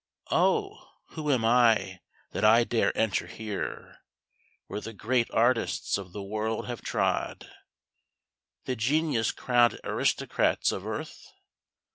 _ Oh, who am I, that I dare enter here _Where the great artists of the world have trod _ _The genius crowned aristocrats of Earth?